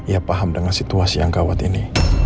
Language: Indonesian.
ia paham dengan situasi yang gawat ini